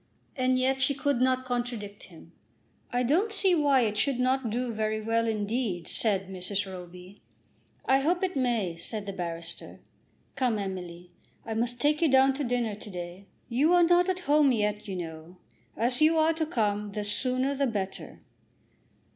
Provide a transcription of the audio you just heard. And yet she could not contradict him. "I don't see why it should not do very well, indeed," said Mrs. Roby. "I hope it may," said the barrister. "Come, Emily, I must take you down to dinner to day. You are not at home yet, you know. As you are to come, the sooner the better."